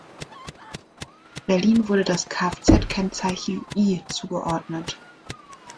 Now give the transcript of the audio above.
Berlin wurde das Kfz-Kennzeichen „I“ zugeordnet.